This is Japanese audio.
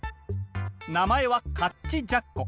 名前はカッチ・ジャッコ。